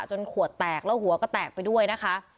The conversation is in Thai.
ขวดแตกแล้วหัวก็แตกไปด้วยนะคะ